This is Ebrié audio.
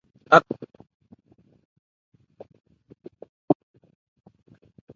Cíbɛn Yayó lo ɛ ?